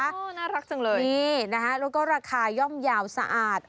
น่ารักจังเลยนี่นะคะแล้วก็ราคาย่อมยาวสะอาด